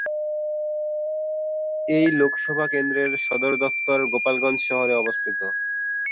এই লোকসভা কেন্দ্রের সদর দফতর গোপালগঞ্জ শহরে অবস্থিত।